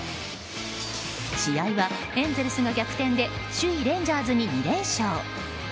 試合はエンゼルスが逆転で首位レンジャーズに２連勝。